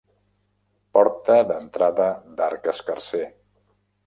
Porta d'entrada d'arc escarser.